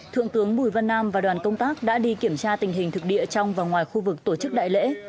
thượng tướng bùi văn nam và đoàn công tác đã đi kiểm tra tình hình thực địa trong và ngoài khu vực tổ chức đại lễ